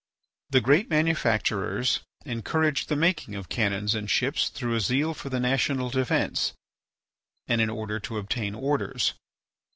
The great manufacturers encouraged the making of cannons and ships through a zeal for the national defence and in order to obtain orders.